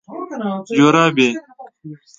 🧦جورابي